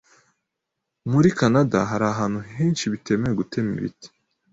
Muri Kanada, hari ahantu henshi bitemewe gutema ibiti.